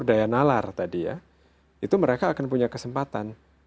daya nalar tadi ya itu mereka akan punya kesempatan